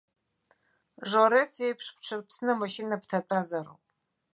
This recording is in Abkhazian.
Жорес иеиԥш бҽырԥсны амашьына бҭатәазароуп.